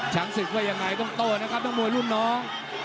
ศึกว่ายังไงต้องโต้นะครับน้องมวยรุ่นน้อง